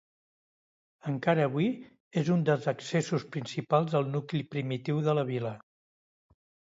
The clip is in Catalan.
Encara avui és un dels accessos principals al nucli primitiu de la vila.